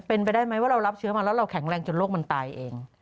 เป็นไปได้ไหมว่าเรารับเชื้อมาแล้วเราแข็งแรงจนโรคมันตายเอง